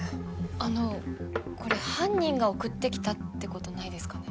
あのこれ犯人が送って来たってことないですかね？